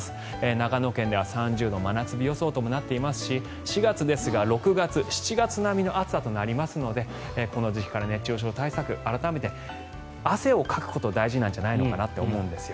長野県では３０度真夏日予想となっていますし４月ですが６月、７月並みの暑さとなりますのでこの時期から熱中症対策汗をかくことが大事なんじゃないのかなと思うんですよ。